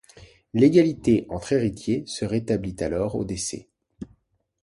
L'égalité entre héritiers se rétablit alors au décès.